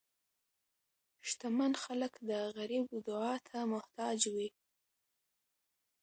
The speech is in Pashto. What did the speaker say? شتمن خلک د غریب دعا ته محتاج وي.